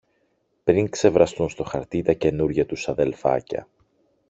πριν ξεβραστούν στο χαρτί τα καινούρια τους αδελφάκια